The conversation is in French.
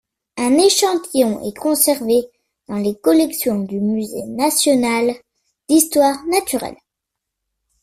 Un échantillon est conservé dans les collections du Musée national d'histoire naturelle.